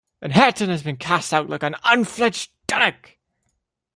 And Hareton has been cast out like an unfledged dunnock!